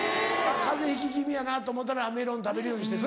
風邪ひき気味やなと思ったらメロン食べるようにして。